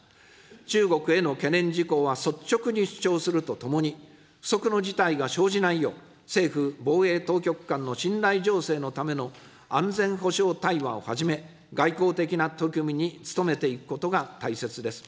中国への懸念事項は率直に主張するとともに、不測の事態が生じないよう、政府、防衛当局間の信頼醸成のための安全保障対話をはじめ、外交的な取り組みに努めていくことが大切です。